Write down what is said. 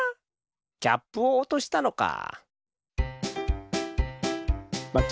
キャップをおとしたのか。